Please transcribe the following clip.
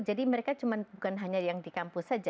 jadi mereka cuma bukan hanya yang di kampus saja